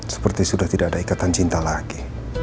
seperti sudah tidak ada ikatan cinta lagi